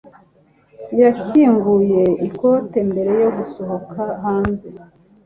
Yakinguye ikote mbere yo gusohoka hanze